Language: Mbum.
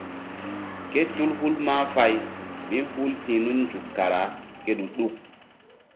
Ké tul hul mahfay mí hul ti̧h nun nzuk kara ke ɗu-ɗuk.